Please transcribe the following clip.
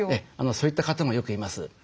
そういった方もよくいます。